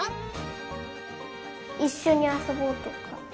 「いっしょにあそぼう」とか。